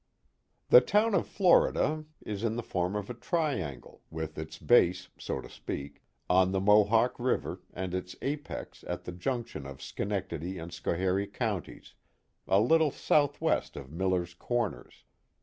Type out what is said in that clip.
The town of Florida, is in the form of a triangle, with its base, so to speak, on the Mohawk River and its apex at the junction of Schenectady and Schoharie Counties, a little southwest of Miller's Corners.